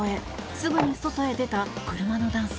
すぐに外へ出た車の男性。